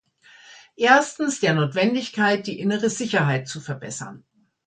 Erstens, der Notwendigkeit, die innere Sicherheit zu verbessern.